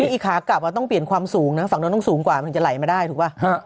อีกขากลับต้องเปลี่ยนความสูงนะฝั่งโน้นต้องสูงกว่ามันถึงจะไหลมาได้ถูกป่ะ